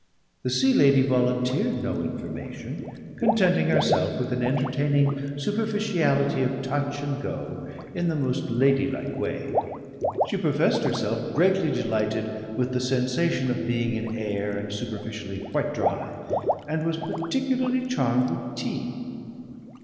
The Sea Lady volunteered no information, contenting herself with an entertaining superficiality of touch and go, in the most ladylike way. She professed herself greatly delighted with the sensation of being in air and superficially quite dry, and was particularly charmed with tea.